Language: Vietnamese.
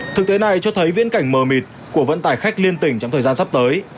thực tế này cho thấy viễn cảnh mờ mịt của vận tải khách liên tỉnh trong thời gian sắp tới